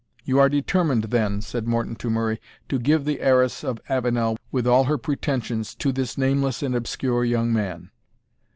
"You are determined, then," said Morton to Murray, "to give the heiress of Avenel, with all her pretensions, to this nameless and obscure young man?"